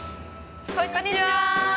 こんにちは！